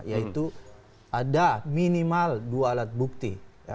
yaitu ada minimal dua alat bukti